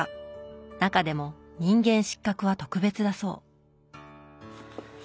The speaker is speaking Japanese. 中でも「人間失格」は特別だそう。